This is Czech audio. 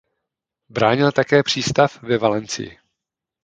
Bránil také přístav ve Valencii.